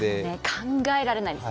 考えられないです。